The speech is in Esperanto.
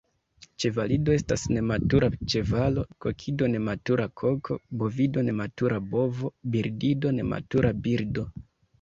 Ĉevalido estas nematura ĉevalo, kokido nematura koko, bovido nematura bovo, birdido nematura birdo.